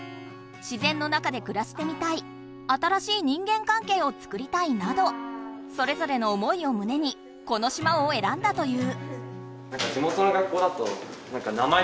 「自然の中でくらしてみたい」「新しい人間かんけいを作りたい」などそれぞれの思いをむねにこの島をえらんだという。